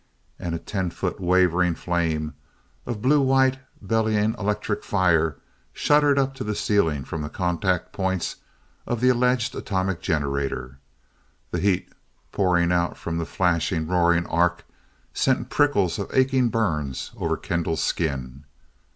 And a ten foot wavering flame of blue white, bellying electric fire shuddered up to the ceiling from the contact points of the alleged atomic generator. The heat, pouring out from the flashing, roaring arc sent prickles of aching burns over Kendall's skin.